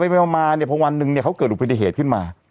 มาเนี่ยพอวันหนึ่งเนี่ยเขาเกิดอุบัติเหตุขึ้นมา